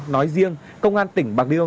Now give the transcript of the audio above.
nói riêng công an tỉnh bạc liêu